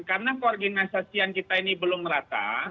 karena keorganisasian kita ini belum merata